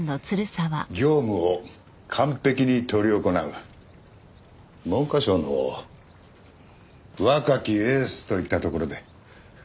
業務を完璧に執り行う文科省の若きエースといったところで。